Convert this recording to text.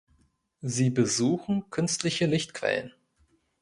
Sie besuchen künstliche Lichtquellen.